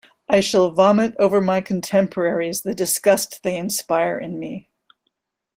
I shall vomit over my contemporaries the disgust they inspire in me...